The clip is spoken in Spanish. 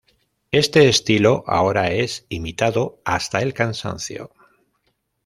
Este estilo ahora es imitado hasta el cansancio.